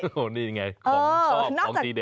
โอ้โหนี่ไงของชอบของดีเด่น